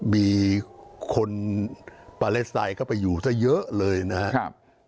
มีคนปาเลสไตน์เข้าไปอยู่ซะเยอะเลยนะครับ